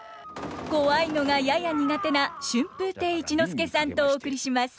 怖いのがやや苦手な春風亭一之輔さんとお送りします。